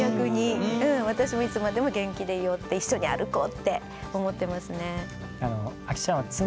私もいつまでも元気でいようって一緒に歩こうって思ってますね。